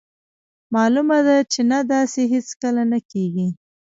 مالومه ده چې نه داسې هیڅکله نه کیږي.